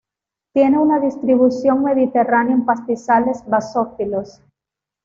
Tiene una distribución mediterránea en pastizales basófilos.